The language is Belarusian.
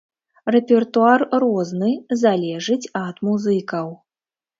Рэпертуар розны, залежыць ад музыкаў.